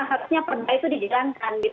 harusnya perdagangan itu dijalankan